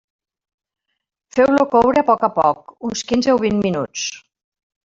Feu-lo coure a poc a poc, uns quinze o vint minuts.